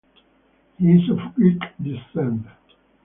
He is of Greek descent.